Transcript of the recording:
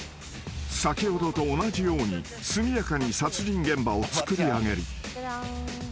［先ほどと同じように速やかに殺人現場をつくりあげる］